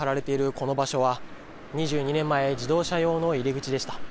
この場所は、２２年前、自動車用の入り口でした。